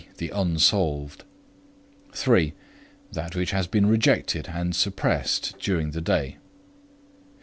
e._ the unsolved; 3, that which has been rejected and suppressed during the day.